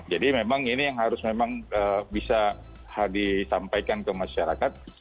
jadi memang ini yang harus memang bisa disampaikan ke masyarakat